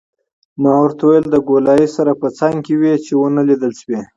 ما ورته وویل: له ګولایي سره په څنګ کې وې، چې ونه لیدل شوې.